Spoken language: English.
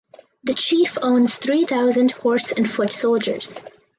This chief owns three thousand horse and foot soldiers.